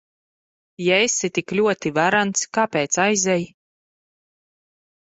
Ja esi tik ļoti varens, kāpēc aizej?